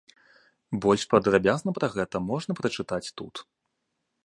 Больш падрабязна пра гэта можна прачытаць тут.